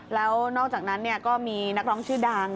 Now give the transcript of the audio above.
แล้วนอกจากนั้นก็มีนักร้องชื่อดัง